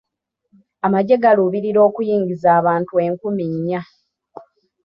Amagye galuubirira okuyingiza abantu enkumi nnya.